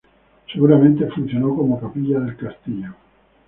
Seguramente funcionó como capilla del Castillo.